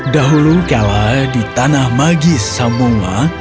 dahulu kala di tanah magis samunga